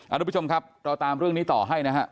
อ่ะทุกผู้ชมครับตอบตามเรื่องนี้ต่อให้นะฮะ